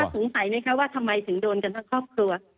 สงสัยไหมคะว่าทำไมถึงโดนกันทั้งครอบครัว